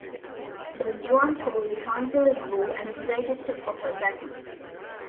Don Juan called a council of war and decided to offer battle.